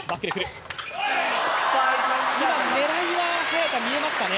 今、狙いは、早田、見えましたね。